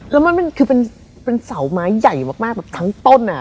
แล้วมันคือเป็นเสาไม้ใหญ่มากแบบทั้งต้น